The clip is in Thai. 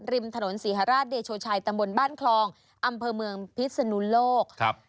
ริมถนนศรีฮราชเดโชชัยตำบลบ้านคลองอำเภอเมืองพิศนุโลกครับ